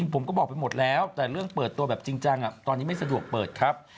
ผมก็บอกไปหมดแล้วแต่เรื่องเปิดตัวแบบจริงจังตอนนี้ไม่สะดวกเปิดครับ